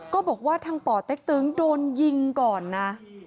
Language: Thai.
ก็บอกว่าทางป่อเต็กตึงโดนยิงก่อนนะ